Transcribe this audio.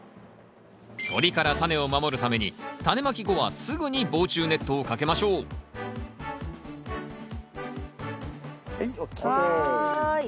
鳥からタネを守るためにタネまき後はすぐに防虫ネットをかけましょうはいＯＫ。